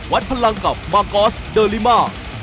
วัดพลังกับมากอสเดอร์ลิมา